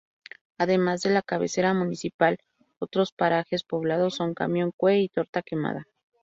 Además de la cabecera municipal otros parajes poblados son Camión Cue y Torta Quemada.